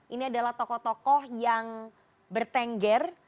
ini adalah tokoh tokoh yang bertengger